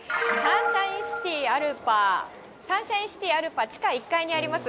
サンシャインシティアルパ地下１階にあります